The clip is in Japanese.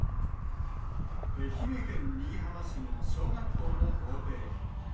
愛媛県新居浜市の小学校の校庭。